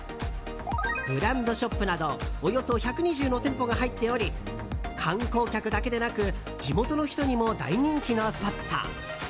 ブランドショップなどおよそ１２０の店舗が入っており観光客だけでなく地元の人にも大人気のスポット。